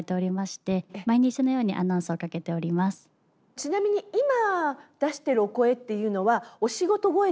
ちなみに今出してるお声っていうのはお仕事声ですか？